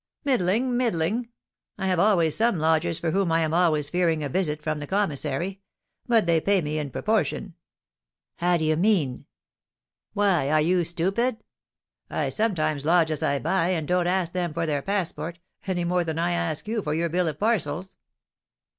"Middling, middling. I have always some lodgers for whom I am always fearing a visit from the commissary; but they pay in proportion." "How d'ye mean?" "Why, are you stupid? I sometimes lodge as I buy, and don't ask them for their passport, any more than I ask you for your bill of parcels."